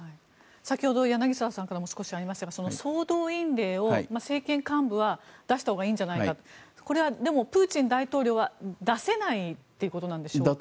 先ほど柳澤さんからも少しありましたが総動員令を政権幹部は出したほうがいいんじゃないかとこれは、でもプーチン大統領は出せないということなんでしょうか。